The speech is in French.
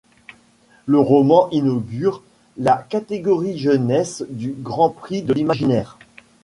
Le roman inaugure la catégorie jeunesse du Grand prix de l'Imaginaire.